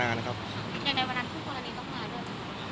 อ๋อในวันทั้งคู่คนอันนี้ก็มาด้วย